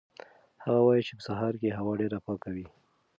هغه وایي چې په سهار کې هوا ډېره پاکه وي.